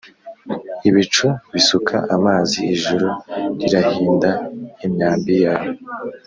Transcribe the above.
Ibicu bisuka amazi Ijuru rirahinda Imyambi yawe